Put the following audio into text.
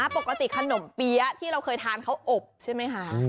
ปกติขนมเปี๊ยะที่เราเคยทานเขาอบใช่ไหมคะ